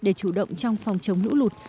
để chủ động trong phòng chống lũ lụt